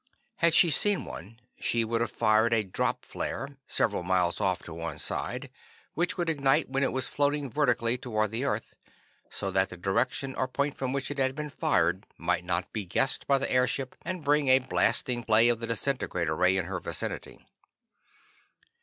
Had she seen one she would have fired a "drop flare" several miles off to one side, which would ignite when it was floating vertically toward the earth, so that the direction or point from which it had been fired might not be guessed by the airship and bring a blasting play of the disintegrator ray in her vicinity.